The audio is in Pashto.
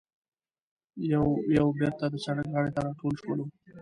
یو یو بېرته د سړک غاړې ته راټول شولو.